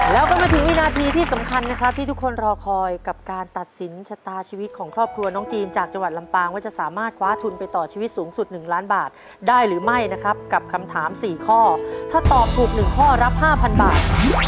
แล้วก็มาถึงวินาทีที่สำคัญนะครับที่ทุกคนรอคอยกับการตัดสินชะตาชีวิตของครอบครัวน้องจีนจากจังหวัดลำปางว่าจะสามารถคว้าทุนไปต่อชีวิตสูงสุด๑ล้านบาทได้หรือไม่นะครับกับคำถาม๔ข้อถ้าตอบถูก๑ข้อรับ๕๐๐บาท